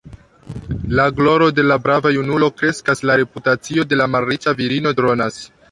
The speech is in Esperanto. La gloro de la brava junulo kreskas; la reputacio de la malriĉa virino dronas.